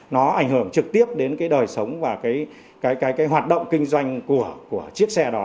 nó ảnh hưởng trực tiếp đến cái đời sống và cái hoạt động kinh doanh của chiếc xe đó